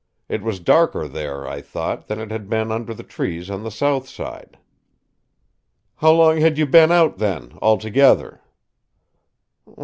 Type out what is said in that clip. It was darker there, I thought, than it had been under the trees on the south side." "How long had you been out then, altogether?"